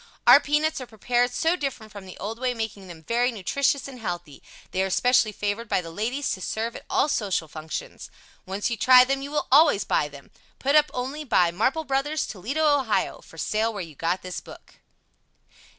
Our peanuts are prepared so different from the old way, making them very nutritious and healthy. They are especially favored by the ladies to serve at all social functions. Once you try them, you will always buy them. Put up only by MARPLE BROS., Toledo. O. For Sale where you got this book.